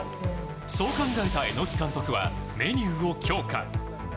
そう考えた榎木監督はメニューを強化。